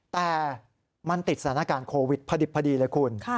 แต่มันติดสถานการณ์โควิดพอดิบพอดีเลยคุณ